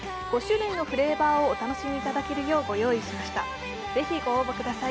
５種類のフレーバーをお楽しみいただけるよう御用意しました。